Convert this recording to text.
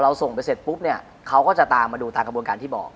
ส่งไปเสร็จปุ๊บเนี่ยเขาก็จะตามมาดูตามกระบวนการที่บอก